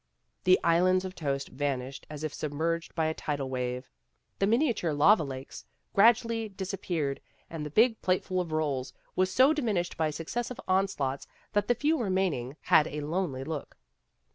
The islands of toast vanished as if submerged by a tidal wave. The miniature lava lakes gradually disappeared, and the big plate of rolls was so diminished by successive onslaughts that the few remaining had a lonely look.